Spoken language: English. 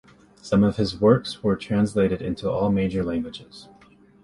Some of his works were translated into all major languages.